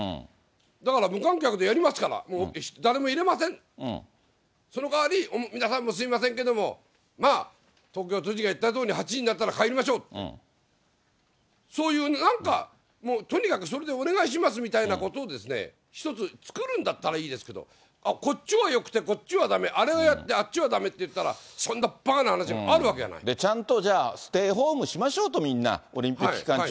だから無観客でやりますから、誰も入れません、そのかわり、皆さんもすみませんけれども、まあ、東京都知事が言ったように８時になったら帰りましょう、そういうなんか、もうとにかくそれでお願いしますみたいなことを、一つ、作るんだったらいいですけど、こっちはよくて、こっちはだめ、あれはやってあっちはだめっていったら、そんなばかな話あるわけちゃんとじゃあ、ステイホームしましょうと、みんな、オリンピック期間中。